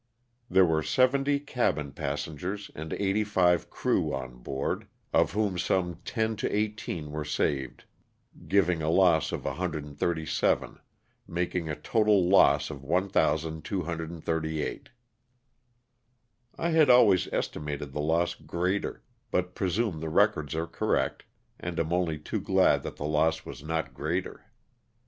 There were seventy cabin passengers and eighty five crew on board, of whom some ten to eighteen were saved, giving a loss of 137, making a total loss of 1,238." I had always estimated the loss greater, but presume the records are correct and am only too glad that the loss was not greater.